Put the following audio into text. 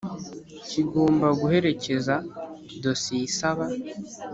Kigomba guherekeza dosiye isaba